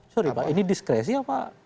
sorry pak ini diskresi apa